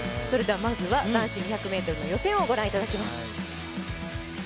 まずは男子２００ｍの予選をご覧いただきます。